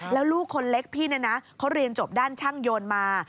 แล้วลูกคนเล็กพี่นะเรียนจบด้านช่างโยนมา